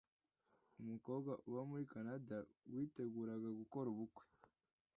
Umukobwa uba muri Canada witeguraga gukora ubukwe